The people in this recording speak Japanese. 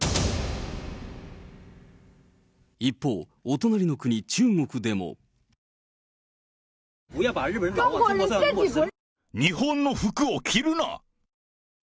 一方、お隣の国、中国でも。日本の服を着るな。